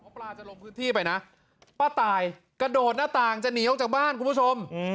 ปลาจะลงพื้นที่ไปนะป้าตายกระโดดหน้าต่างจะหนีออกจากบ้านคุณผู้ชม